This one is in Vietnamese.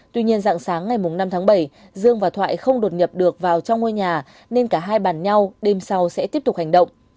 tuy nhiên dạng sáng ngày năm tháng bảy dương và thoại không đột nhập được vào trong ngôi nhà nên cả hai bàn nhau đêm sau sẽ tiếp tục hành động